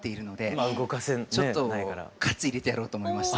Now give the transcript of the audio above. ちょっと活入れてやろうと思いまして。